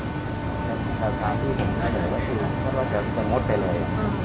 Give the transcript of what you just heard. เราจะมีตัวงดไปเลย